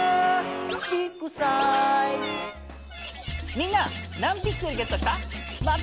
みんな何ピクセルゲットした？